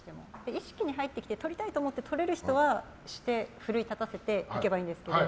意識に入ってきてとりたいと思って、とれる人はして、奮い立たせていけばいいんですけど。